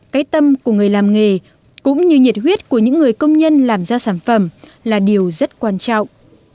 cái tâm của người làm nghề cũng như nhiệt huyết của những người công nhân làm ra sản phẩm là điều rất quan trọng